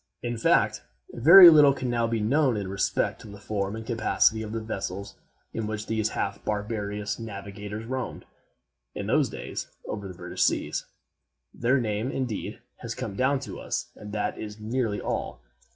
In fact, very little can now be known in respect to the form and capacity of the vessels in which these half barbarous navigators roamed, in those days, over the British seas. Their name, indeed, has come down to us, and that is nearly all.